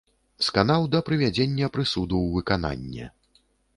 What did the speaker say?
Сканаў да прывядзення прысуду ў выкананне.